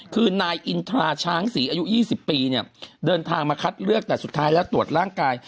คือนายอินทราช้างศรีอายุ๒๐ปีเนี่ยเดินทางมาคัดเลือกแต่สุดท้ายแล้วตรวจร่างกาย